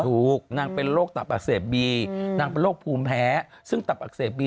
ถูกนางเป็นโรคตับอักเสบบี